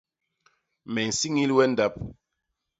Me nsiñil we ndap.